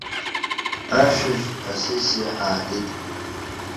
Ашьыжь асессиа аатит.